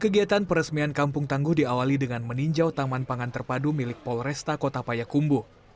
kegiatan peresmian kampung tangguh diawali dengan meninjau taman pangan terpadu milik polresta kota payakumbu